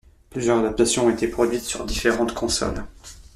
Plusieurs adaptations ont été produites sur différentes consoles.